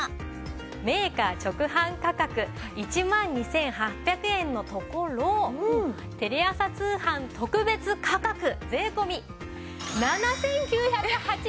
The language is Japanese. メーカー直販価格１万２８００円のところテレ朝通販特別価格税込７９８０円です！